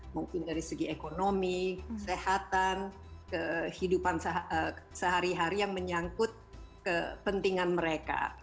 mungkin dari segi ekonomi kesehatan kehidupan sehari hari yang menyangkut kepentingan mereka